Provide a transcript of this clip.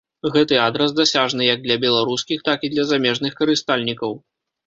Гэты адрас дасяжны як для беларускіх, так і для замежных карыстальнікаў.